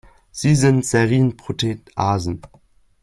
Sie sind Serinproteasen.